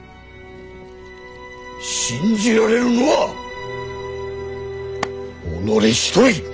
信じられるのは己一人！